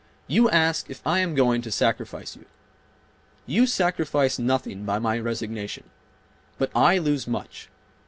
You ask if I am going to sacrifice you. You sacrifice nothing by my resignation. But I lose much.